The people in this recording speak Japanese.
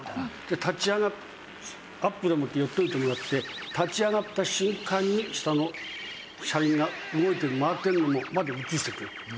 立ち上がるアップでもって寄っておいてもらって立ち上がった瞬間に下の車輪が動いてる回ってるのまで映してくれ。